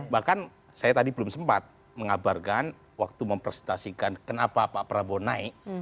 bahkan saya tadi belum sempat mengabarkan waktu mempresentasikan kenapa pak prabowo naik